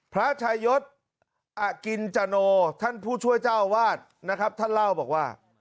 พระชายศอกินจโนท่านผู้ช่วยเจ้าวาดนะครับท่านเล่าบอกว่า